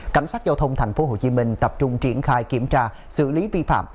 cảnh sát giao thông tp hcm tập trung triển khai kiểm tra xử lý vi phạm